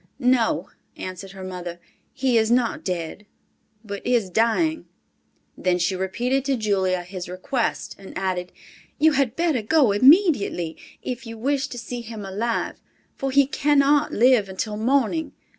"No," answered her mother, "he is not dead, but is dying." Then she repeated to Julia his request, and added, "You had better go immediately, if you wish to see him alive, for he cannot live until morning.